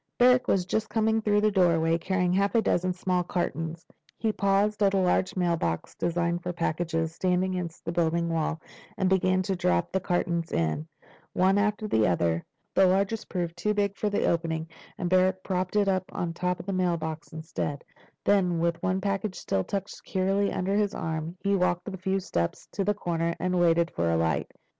Barrack was just coming through the doorway, carrying half a dozen small cartons. He paused at a large mailbox designed for packages, standing against the building wall, and began to drop the cartons in, one after the other. The largest proved too big for the opening, and Barrack propped it on top of the mailbox instead. Then, with one package still tucked securely under his arm, he walked the few steps to the corner, and waited for a light.